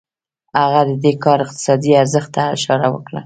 هغه د دې کار اقتصادي ارزښت ته اشاره وکړه